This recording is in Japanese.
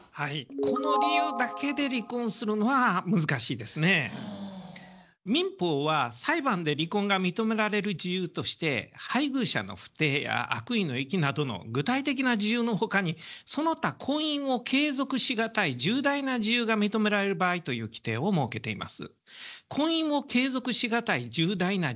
この理由だけで民法は裁判で離婚が認められる事由として配偶者の不貞や悪意の遺棄などの具体的な事由の他にその他婚姻を継続し難い重大な事由が認められる場合という規定を設けています。